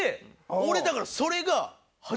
俺だからそれが。